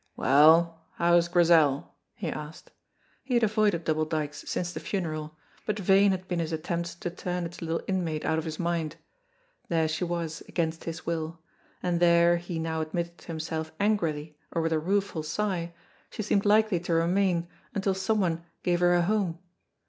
"Well, how is Grizel?" he asked. He had avoided Double Dykes since the funeral, but vain had been his attempts to turn its little inmate out of his mind; there she was, against his will, and there, he now admitted to himself angrily or with a rueful sigh, she seemed likely to remain until someone gave her a home.